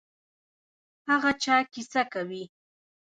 هغه چا کیسه کوي.